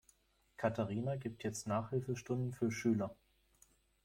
Katharina gibt jetzt Nachhilfestunden für Schüler.